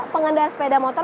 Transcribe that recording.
pengendara sepeda motor